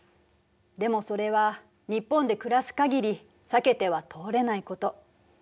でもそれは日本で暮らす限り避けては通れないこと。